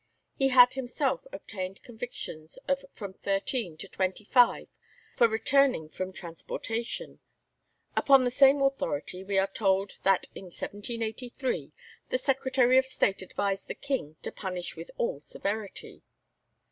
He had himself obtained convictions of from thirteen to twenty five for returning from transportation. Upon the same authority we are told that in 1783 the Secretary of State advised the King to punish with all severity.